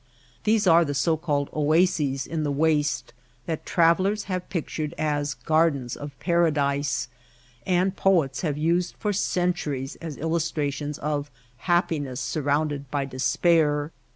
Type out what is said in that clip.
These are the so called oases in the waste that travellers have pictured as Gardens of Paradise, and poets have used for centuries as illustrations of happiness sur rounded by despair.